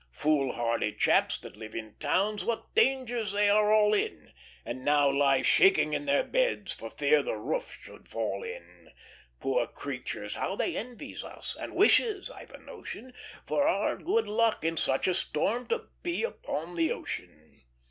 "'Foolhardy chaps, that live in towns, What dangers they are all in! And now lie shaking in their beds, For fear the roof should fall in! Poor creatures, how they envies us, And wishes, I've a notion, For our good luck, in such a storm, To be upon the ocean.